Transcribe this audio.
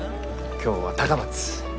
今日は高松！